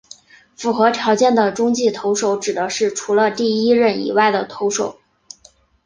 符合条件的中继投手指的是除了第一任以外的投手。